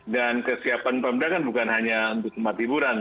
dan kesiapan pemuda kan bukan hanya untuk tempat hiburan